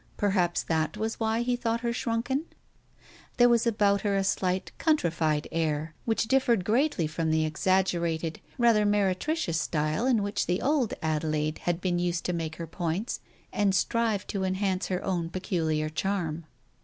Perhaps that was why he thought her shrunken ? There was about her a slight countrified air, which differed greatly from the exaggerated, rather meretricious style in which the old Adelaide had been used to make her points, and strive to enhance her own peculiar charm.